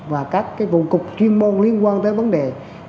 và các vụ cục chuyên môn liên quan tới vấn đề